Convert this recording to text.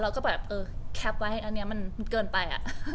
เราก็แก็บไว้อันนี้มันเกินไป